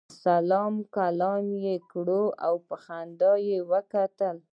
سلام کلام یې وکړ او په خندا یې وکتل.